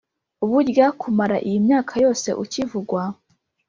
Burya kumara iyi myaka yose ukivugwa,